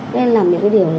nên làm những cái điều